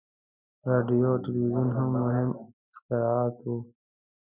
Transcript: • راډیو او تلویزیون هم مهم اختراعات وو.